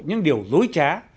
những điều dối trá